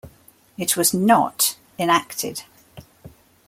It was "not" enacted.